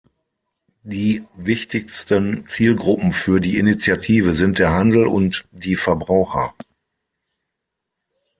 Die wichtigsten Zielgruppen für die Initiative sind der Handel und die Verbraucher.